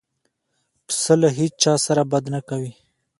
پسه له هیڅ چا سره بد نه کوي.